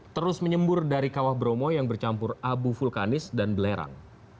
terus menyembur dari kawah bromo yang bercampur abu vulkanis dan belerang